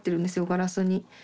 ガラスに。